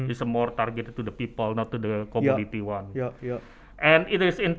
ini lebih menargetkan kepada orang